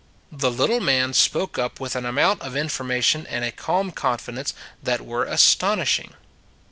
The little man spoke up with an amount of information and a calm confidence that were astonish ing.